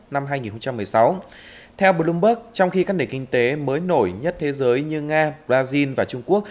năm hai nghìn một mươi sáu theo bloomberg trong khi các nền kinh tế mới nổi nhất thế giới như nga brazil và trung quốc